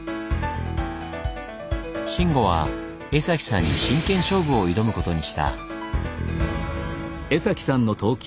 慎吾は江崎さんに真剣勝負を挑むことにした。